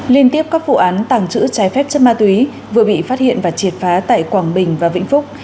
liên tiếp các vụ án tàng trữ trái phép chất ma túy vừa bị phát hiện và triệt phá tại quảng bình và vĩnh phúc